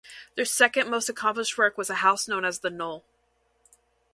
Their second most accomplished work was a house known as "the Knole".